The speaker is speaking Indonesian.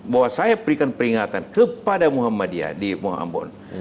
bahwa saya berikan peringatan kepada muhammadiyah di muhammad